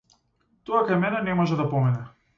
Тоа кај мене не може да помине!